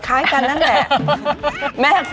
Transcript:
คล้ายกันนั่นแหละ